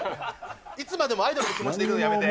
いつまでもアイドルの気持ちでいるのやめて。